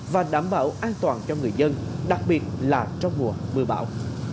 và đảm bảo an toàn cho người dân đặc biệt là trong mùa mưa bão